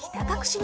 私。